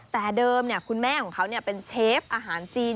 แต่เดิมคุณแม่ของเขาเป็นเชฟอาหารจีน